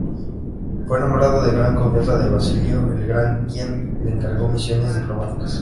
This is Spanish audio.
Fue hombre de gran confianza de Basilio el Grande quien le encargó misiones diplomáticas.